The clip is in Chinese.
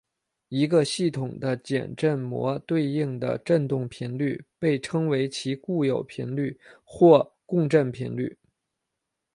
一个系统的简正模对应的振动频率被称为其固有频率或共振频率。